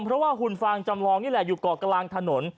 เพราะว่าหุ่นฟางจำลองนี่แหละอยู่เกาะกลางถนน